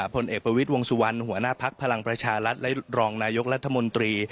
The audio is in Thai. ผลเอกประวิทย์วงสุวรรณหัวหน้าภักดิ์พลังประชารัฐและรองนายกรัฐมนตรี